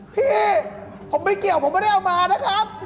พี่ผมไม่เกี่ยวผมไม่ได้เอามานะครับ